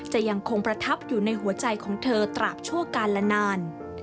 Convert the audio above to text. จะยังคงประทับอยู่ในหัวใจของเธอตราบชั่วการละนาน